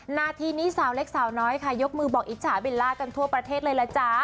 นาทีนี้สาวเล็กสาวน้อยค่ะยกมือบอกอิจฉาเบลล่ากันทั่วประเทศเลยล่ะจ๊ะ